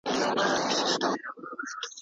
د تاریخي ځایونو ساتنه د ټولو دنده ده.